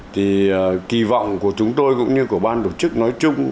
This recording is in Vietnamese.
thì kỳ vọng của chúng tôi cũng như của ban tổ chức nói chung